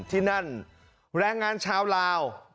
ที่นั่นแรงงานชาวลาว